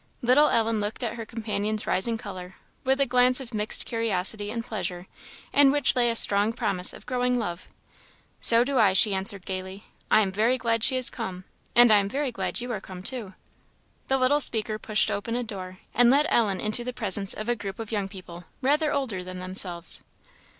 Little Ellen looked at her companion's rising colour, with a glance of mixed curiosity and pleasure, in which lay a strong promise of growing love. "So do I," she answered, gaily; "I am very glad she is come, and I am very glad you are come, too." The little speaker pushed open a door, and led Ellen into the presence of a group of young people, rather older than themselves.